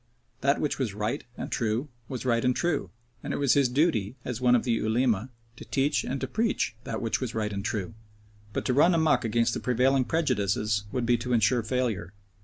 That which was right and true was right and true, and it was his duty, as one of the Ulema, to teach and to preach that which was right and true. But to run amuck against the prevailing prejudices would be to ensure failure.